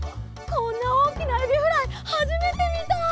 こんなおおきなエビフライはじめてみた！